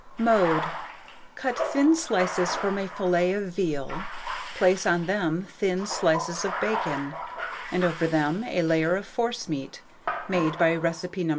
Mode. Cut thin slices from a fillet of veal, place on them thin slices of bacon, and over them a layer of forcemeat, made by recipe No.